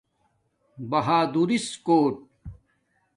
بہادورس کُوٹ